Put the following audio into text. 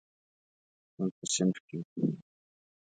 موږ په صنف کې یو.